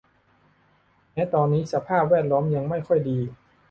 แม้ตอนนี้สภาพแวดล้อมยังไม่ค่อยดี